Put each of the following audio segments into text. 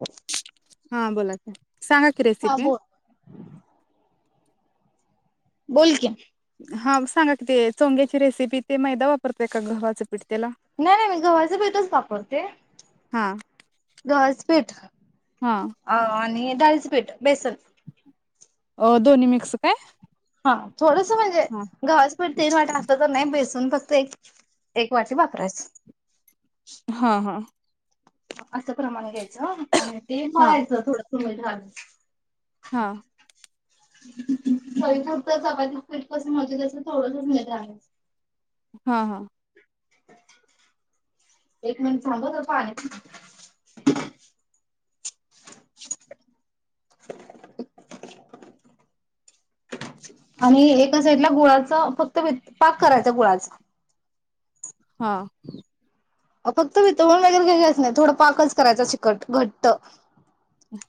ह हा बोला काय? बोल बोल की. हा सांगा की ते चोंग्याची रेसिपी, ते मैदा वापरताय का गव्हाचं पीठ त्याला नाही नाही मी गव्हाच पीठच वापरते. हा गव्हाच पीठ हा अ आणि डाळीचं पीठ बेसन. अ दोन्ही मिक्स काय? हा थोडसं म्हणजे हा. गव्हाचं पीठ तीन वाट्या असलं, तर नाय बेस न फक्त एक, एक वाटी वापरायचं. हा हा. असं प्रमाणे घ्यायचं आणि ते हा मळायचं थोडं. होय झालं. हा. [unintelligible] चपातीचं पीठ कसं मळतोय तसं थोडसंच मीठ घालायचं. हा हा. एक मिनिट थांब हं, जरा पाणी पिते. आणि एका साइडला गुळाच फक् त पाक करायचा गुळाचा. हम्म. फक्त वितळून वगैरे काय घायच नाही. थोडं पाकच करायचा चिकट, घट्ट.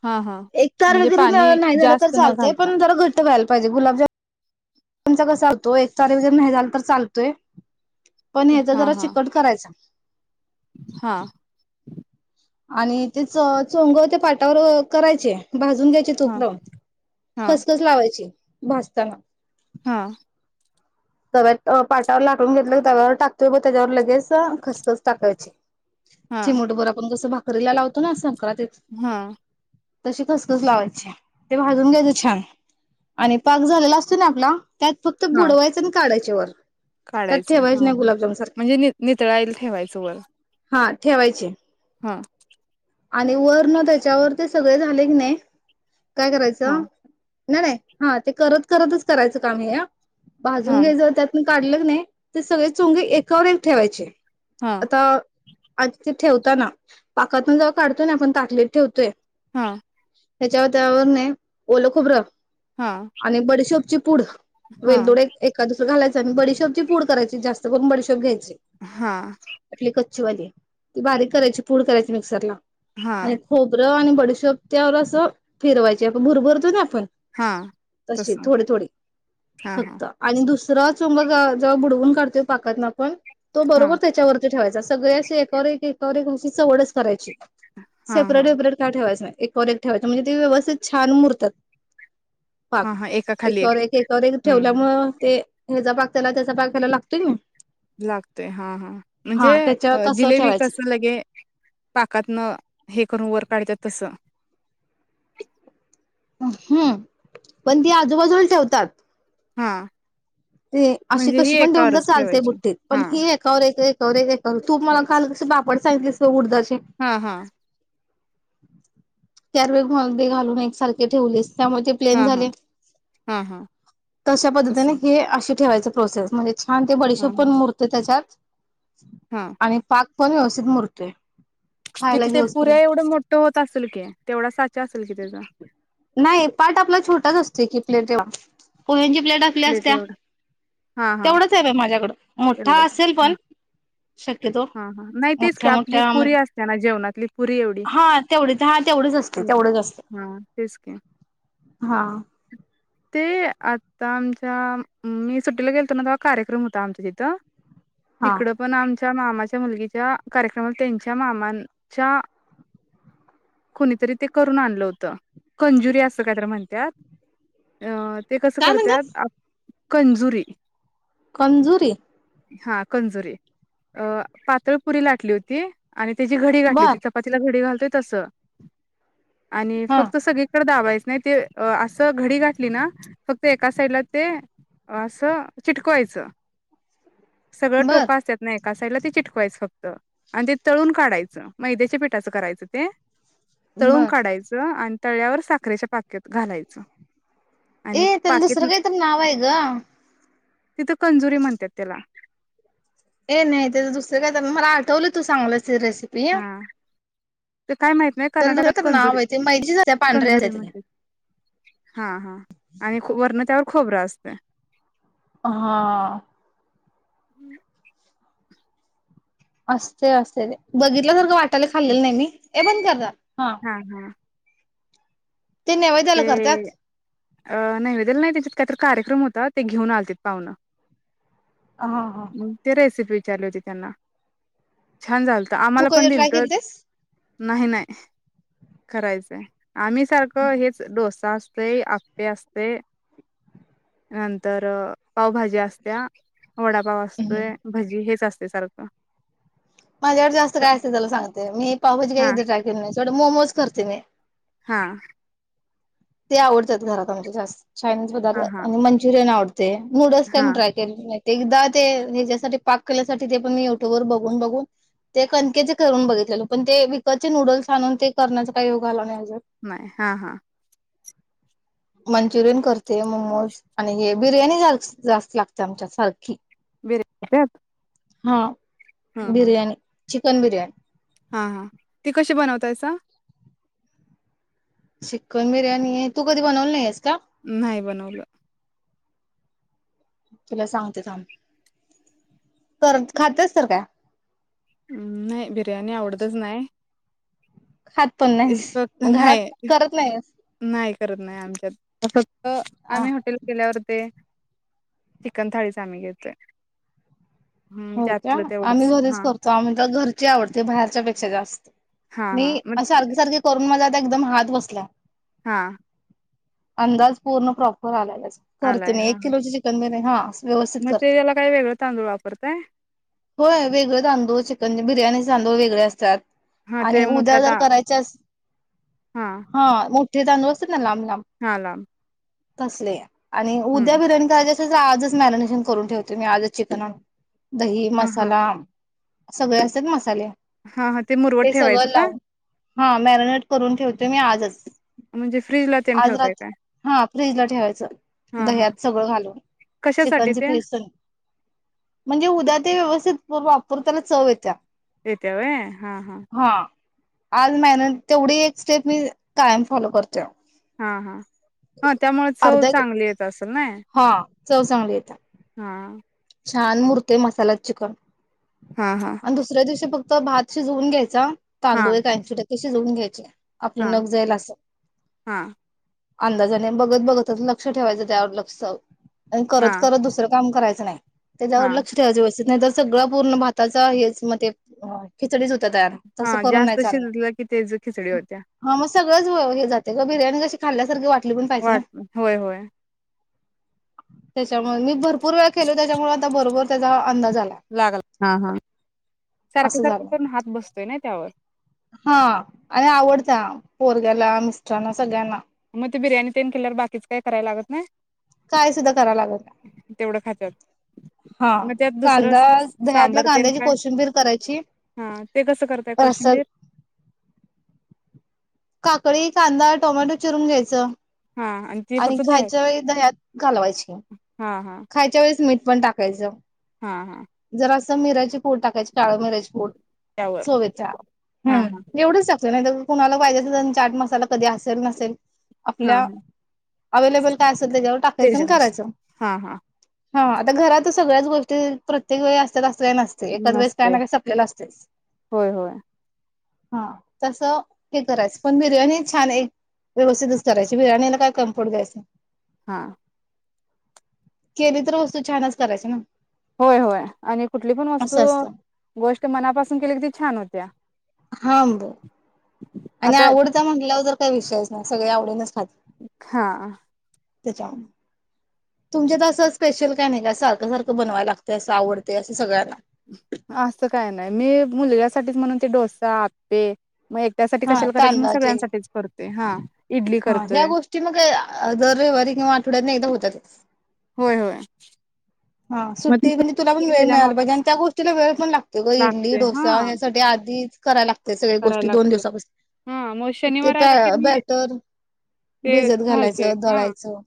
हा हा एक तार म्हणजे वगैरे पाणी नाही झालं तर जास्त न चालतय घालता पण जरा घ व्हाला पाहिजे गुलाबजामून तुमचा कसा होतोय? चाजर नाही झालं तर चालतोय. पण ह्याचा जरा चिकट करायचा.. हां आणि ते च चोंग त्या पाटावर करायचे? भाजून घ्यायची हा तूप लावून हा खस खस लावायची. भाजताना. हां तवात पाटावर लाटून घेतलं तव्यावर टाकतोय लगेच खसखस टाकायची. चिमूटभर आपण कसं भागू रीलला लावतो ना असा हां तशी खसखस लावायची ते भाजून घ्यायचं छान आणि पाक झालेला असतो ना आपला त्यात फक्त बुडवायचं काढायच्या वर त्यात काढायचे ठेवायच नाही गुलाबजाम सारखे म्हणजे नि नितळायला ठेवायचे वर. हा ठेवायचे. हां आणि वरण त्याच्यावर सगळं झालं की नाही काय हा करायचं नाही नाही ते हा करत करतच करायचं काम हे. भाजून हा घ्यायचं मग त्यात काढलं की नाही ते सगळं चुंग एकावर एक ठेवायचे. हा आता आता ते ठेवताना पाकातून जर काढतो ना आपण ताटलीत ठेवतोय हां त्याच्यावर त्यावर ना ओलं खोबरं हा आणि बडीशोप ची पूड हा वेलदोडे एखाद घालायचं न बडीशेप ची पूड करायची जास्त पण बडीशेप घ्यायची हां कच्ची वाली बारीक करायची पूड करायची मिक्सरला. आणि हा खोबरं आणि बडीशेप त्यावर असं फिरवायची आपण भुरभुरतो ना पण हा तस तसे थोडे थोडे हा हा फक्त आणि दूस तेव्हाच मग आपण बुडवून काढतो पाकातून तो हा बरोबर त्याच्यावरती ठेवायचे असं सगळे एकावर एक चवडच करायची हा सेपरेट हा वेपरेट काय ठेवायचं नाय. एक फरक ठेवायचं म्हणजे ते व्यवस्थित छान मुरतात. पाक. हा हा एका खाली एकावर एक, एकावर एक हं हं ठेवल्यामुळं... ते ह्याचा पाक त्याला, त्याचा पाक त्याला लागतोय कीं नाही. लागतय. हा, हा. म्हनजे.. त्याच्यावर तसं जिलेबी कस? ठेवायचं हे, पाकातन हे करून वर काढत्यात तसं. हं. पन ती आजूबाजूला ठेवतात. हा. ते अशी म्हणजे ही कशी पण ठेऊन जर एकावरच चालतंय ठेवायची बुट्टी पन हा हीं एकावर एक ते [unintelligible] तू मला ठेवायच काल कसे पापड सांगितलेस उडदाचे? हा हा [unintelligible] त्यामुळे ते प्लेन हा हा झाले. हा हा तशा तसे पद्धतीने लक्ष ठेवायचं प्रोसेस. म्ह छान ते हा बडीशेप पन हा मुरते त्याच्यात. हा आणि फार पण व्यवस्थित मुरतोय. खायला तीच ते घेऊसपर्यंत पुऱ्याएवढं मोठ्ठ होत असलं कीं. तेवढा साचा असलं कीं. ते. गा न्हाई पाट आपला छोटाच असतंय कीं. प्लेंट एवढा. पोह्यांची प्लेट आपली असतेया. हा हा तेवढंच हाय बाय माझ्याकड. मोठ्ठा एवढंच असलं हा पण, शक्यतो हा हा. नाही तेच की, मोठ्या आपली मोठ्या पुरी असते ना जेवणात. हा, तेवढंच, हा तेवढंच असत. तेवढंच असत. हा तेच की हा. ते आता. आमच्या आं मी सुट्टीला गेलतो ना, तवा कार्यक्रम होता आमच्यातीत. हा तिकड पन आमच्या त्या मामाच्या मुलगिच्या, कार्यक्रमात, त्यांच्या मामांच्या. कुनीतारी ते करून आनल होत. कंजुरी असं काय त्याला म्हनत्यात, अ. ते कसं काय करत्यात? म्हणतात? आप कंजुरी कंजुरी हा कंजुरी अ पातळपुरी लाटली होती. आणि त्याची घडी घातली बर होती. चपातीला घडी घाल ते तसं. आणि, हा. फक्त सगळीकडे दाबायचं. अस घडी घठली ना फक्त एका साईडला ते असं, चिटकवायचं. सगळं बर टोकां असतात, ना एका साईडला ते चिटकवायचं फक्त आणि ते तळून काढायचं, मैद्याच्या पिठाचं करायचंच. ते तळून बर काढायचं, आणि तळल्यावर साखरेच्या पाकेत घालायचं. ए आणि त्याला पाकीत दुसरं काही, तर नाव आहे गं. तिथं कंजुरी म्हणतात. त्याला हे नाही, ते दुसरं काय? तर मला आठवलं तू सांगल्यास रेसिपी हा ते काय माहित नाही तर कर्नाटकात दुसर नाव कंजुरी आहे. ते [unintelligible] पांढऱ्या कंजुरी हेजातली. म्हणतात हा हा आणि खूप वरण त्यावर खोबरं असतयं. हा [inaudible] असते असते ते बघितल्या सारखं वाट त्याला खाल्लेल नाही, मी ये बंद कर जा. हा हा नैवेद्याला ते करतात. अ नैवेद्याला नाही काय? तर कार्यक्रम होता, ते घेऊन आलतीत पाहुणं. हा हा. ते रेसिपी चालूदे त्यांना छान झालंता, तू आम्हाला पण कधी ट्राय दिलत़़तं. केलतीस? नाही नाही करायचंय आम्ही सारखं हेच डोसा असतोय आप्पे असतयं नंतर पावभाज्या असत्या वडापाव हम्म. असतात, भजी हेच असतयं. ते सारखं माझ्याकडे जास्त काय असते त्याला सांगते मी पावभजी हा कधी ट्राय केल नाही मोमोज करते मी हा ते आवडतात घरात आमच्या जास्त चायनीज पदार्थ हा हा आणि मंचुरियन आवडतं नूडल्स काय हा मी ट्राय केलो नाही ते एकदा ते ह्याच्यासाठी पाक केल्यासाठी ते पण मी युट्यूब वर बघून बघून ते कणकेचे करून बघितलेलो पण ते विकतचे नूडल्स आणून ते करण्याचा काही योग आला नाही अजून. नाही हा हा मंचुरियन करतोय मोमोज आणि हे बिर्याणी जास्त लागते आमच्या सारखी बिर्याणी काय हा बिर्याणी चिकन बिर्याणी हा हा ते कसे बनवतायसा चिकन बिर्याणी‌ तू कधी बनवले नाहीस का नाही बनवलं तुला सांगते थांब तर खात्यास तर काय हम् नाही बिर्याणी आवडतच नाही खात पण नाहीस. फक्त घरात नाही करत नाहीस. नाही करत नाही आमच्यात फक्त हा आम्ही हॉटेला गेल्यावर ते चिकन थाळीच आम्ही घेतोय हम्म हो त्या त्यातलं आम्ही तेवढंच घरीच हा करतो आम्हाला घरची आवडते बाहेरच्या पेक्षा जास्त हा मी हा मग अस सारखी‌ सारखी करून मला एकदम हात बसलाय हा अंदाज करते मी एक किलो ची चिकन बिर्याणी [inaudible] म ते करते त्याला काय वेगळं तांदूळ वाप होय वेगळ तांदूळ चिकन बिर्याणी तांदूळ वेगळे असतात. हा आणि ते उद्या मोठा जर ता करायच अस हा मोठ ते तां लांब लांब हा लांब तसले आणि उद्या हम्म बिर्याणी खायची आजच मॅरिनेशन करून ठेवते मी आजच चिकन आणून. दही हा हा मसाला. सगळे असतात मसाले हा हा ते मुरवट ठेवायचं सगळं का? लावून हा मॅरिनेट करून ठेवते मी आजच. म्हणजे फ्रीजला तेन आज ठेवताय रात काय? हा फ्रीज ला ठेवायचं हा हा दह्यात सगळं घालून कशासाठी चिकनचे ते पीस. म्हणजे उद्या ते व्यवस्थित वापरतेला चव येत्या. येत्या व्हय. हा. हा. आज [unintelligible] तेवढीच एक स्टेप मी कायम फॉलो कर हा हा हा. त्यामुळे चव अर्धा चांगली येतं असेल नाय. हा चव चांगली येत्या. हा. छान मुरतोय मसाला चिकन. हा हा आणि दुसऱ्या दिवशी फक तो भात शिजवून घ्यायचा. हा तांदूळ एक ऐशी टक [unintelligible] घ्यायचे. हा आपलं नक जाईल असं. हा अंदाजाने बघत बघतच लक्ष ठेवायच त्यावर लक्ष आणि करत हा करत दुसरं काम करायचं. चं नाय. त्याच्यावर हा लक्ष ठेवायच बस. [unintelligible] सगळ पूर्ण भाताचा हेच मं तें [unintelligible] हा जास्त शिजलं की तेज खिचडी होत्या. हा मग सगळंच हे जातय ग बिर्याणी अशी खाल्ल्या सारखी वाट वाट होय. होय. त्याच्यामुळे मी भरपूर वेळा केल.. त्याच्यामुळे आता बरोबर त्याचा अंदाज.. आला लागला. हा हा सारख असं सारख झालं पण हात बसतोय नाय त्यावर. हा. आणि आवडत्या. पोरग्याला मिस्टरांना सगळ्यांना. मग ते बिर्याणी तेन केल्यावर बाकीच काय कराय लागत नाई. काय सुद्धा कराव लागल नाय. तेवढं खात्यात हा मग त्यात दुसरं कांदा दह्यातल्या सांबर तेन कांद्याची काय कोशिंबीर करायची. हा ते कसं करताय रस कोशिंबीर कळी, कांदा, टोमॅटो, चिरून घ्यायचं. हा ते आणि फक्त दह्यात खायच्या वेळी दह्यात कालावायची. हा हा खायच्या वेळेस मीठ पण टाकायचं. हा हा. जरा असं मीराची पूड टाकायची काळ मिऱ्याची पूड त्यावर चव येतिया हा हं हा एवढंच टाकतोय ना दरवेळी कुणाला पाहिजे असेल तेन चाट मसाला कधी असल नसेल. हा आपल्या हा अवेलेबल काय अस तय त्याच्यावर टाकायचं आणि करायचं. त्याच्यानुसार हा हा हा आता घरात सगळ्याच गोष्टी प्रत्य ते व्हय असत्यात असत. असतय नसतय एकाच वेळेस काय नसते ना काई संपल्याल असतयच. होय होय हा तसं हे करायचं पण बिर्याणी छान हाये, व्यवस्थितच करायची बिर्याणीला काय कमी पडू द्यायचं? हा केली तर वस्तू छानच करायची ना, होय होय, आणि कुठली पण वस्तू असं असतं गोष्ट मनापासून केली की ती छान होती. त्या हांब आणि आता आवडता म्हटल्यावर जर काय विषयच नाही सगळे आवडीनेच खात हा. तेच्यामुळ तुमच्यात असं स्पेशल काय नाही का? सारखं सारखं बनवाय लागतय, असं आवडतय असं सगळ्यांना असं काय नाही मी मुलग्यासाठीच म्हणून ते डोसा, आप्पे म एकट्यासाठी हा कशाला करायचं म्हणून तांदळाचे सगळ्यांसाठीच करतो. ते हा. इडली हा ह्या करतोय गोष्टी मग दर रविवारी किंवा आठवड्यातन एकदा होत्यातच. होय होय. हा मग सुट्टी म्हणजे तुला पण ती वेळ त्याच्या मिळायला पाहिजे आणि मागच त्या गोष्टीला वेळ पण लागतोय ग इडली, लागतोय डोसा हा ह्यासाठी आधीच कराय लाग ते सगळ करायला गोष्टी दोन लागते हा मग दिवसापासन ते शनिवार आला की मी बॅटर ते भिजत घालते घालायचं, हा दळायचं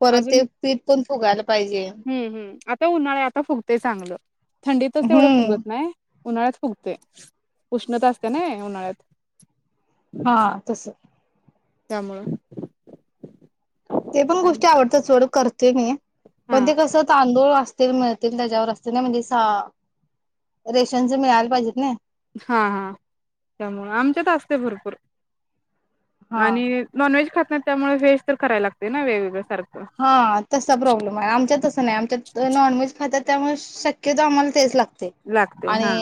परत ते अजून पिठ फुगायला. पाहिजे हम्म हम् आता उन्हाळा हाय आता फुगतय चांगलं, थंडीतच तेवढं हम्म फुगत नाय. उन्हाळ्यात फुगतय. उष्णता असते नायी उन्हाळ्यात, हा तस. त्यामुळ ते पण गोष्टी आवडत सोड करते मी, हा पण ते कसं तांदूळ असतील मिळतील त्याच्यावर असतील ना म्हणजे रेशनच मिळाला पाहिजेत ना, हा हा त्यामुळे आमच्यात असते भरपूर हा आणि नॉन व्हेज खात त्यामुळे वेज तर कराय लागते. ना वेगवेगळं सारखं हा तसा प्रॉब्लेम आहे. आमच्यात त नाही आमच्या नॉनव्हेज खात त्यामुळे शक्यतो आम्हाला तेच लागत. लागते हा.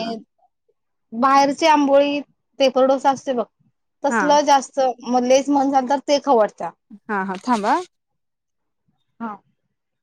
बाहेरचे आंबोळी पेपर डोसा असते बघ. हा तसलं जास्त मग लेच मन सांगतात ते खाऊ वाटतं. हा हा थांबा हं. हा.